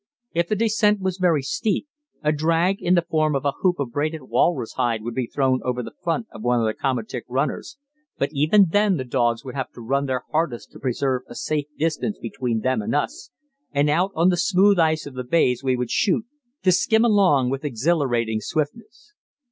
If the descent was very steep, a drag in the form of a hoop of braided walrus hide would be thrown over the front of one of the komatik runners, but even then the dogs would have to run their hardest to preserve a safe distance between them and us, and out on the smooth ice of the bays we would shoot, to skim along with exhilarating swiftness.